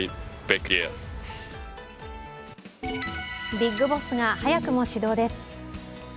ビッグボスが早くも始動です。